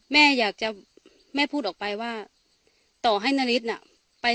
มันเป็นการพูดเปรียบเทียบเฉย